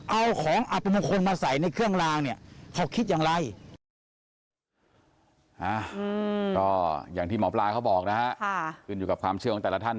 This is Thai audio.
เอาของอับมงคลมาใส่ในเครื่องลางเนี่ยเขาคิดอย่างไร